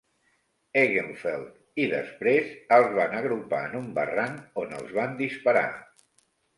Eggenfeld i després els van agrupar en un barranc, on els van disparar.